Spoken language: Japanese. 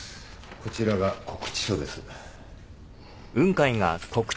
こちらが告知書です。